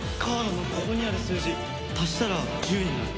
足したら１０になる。